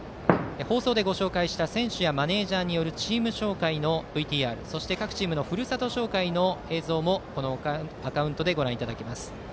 放送でご紹介した選手やマネージャーによるチーム紹介のＶＴＲ各チームのふるさと紹介のＶＴＲもご覧いただけます。